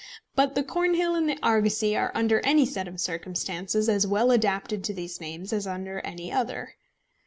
But The Cornhill and The Argosy are under any set of circumstances as well adapted to these names as under any other.